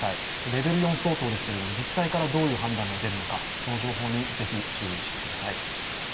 レベル４相当ですけれども、自治体からどういう判断が出るのか、その情報にぜひ注意してください。